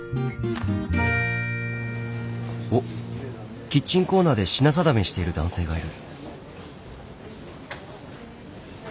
おっキッチンコーナーで品定めしている男性がいる。